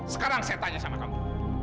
sekarang saya tanya sama kamu